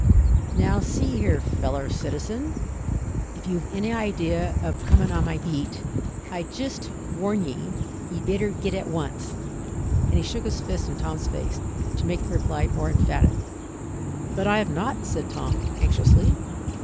"Now see here, feller citizen, if you've any idea of comin' on my beat, I jist warn ye ye'd better git at once," and he shook his fist in Tom's face to make the reply more emphatic. "But I have not," said Tom, anxiously.